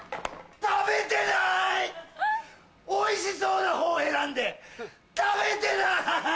おいしそうな方選んで食べてない？